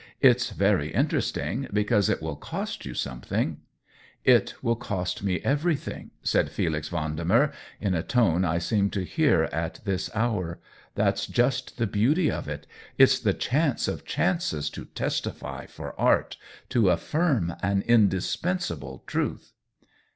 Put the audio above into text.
" It's very interesting — because it will cost you something." COLLABORATION 133 " It will cost me everything !" said Felix Vendemer, in a tone I seem to hear at this hour. " That's just the beauty of it. It's the chance of chances to testify for art — to affirm an indispensable truth."